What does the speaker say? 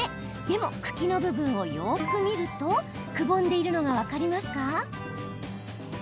でも茎の部分をよく見るとくぼんでいるのが分かりますか？